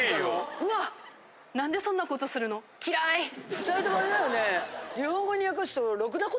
２人ともあれだよね。